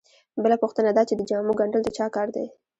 بله پوښتنه دا چې د جامو ګنډل د چا کار دی